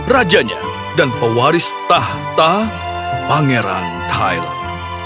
rajanya dan pewaris tahta pangeran thailand